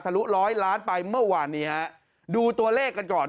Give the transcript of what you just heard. ลุร้อยล้านไปเมื่อวานนี้ฮะดูตัวเลขกันก่อน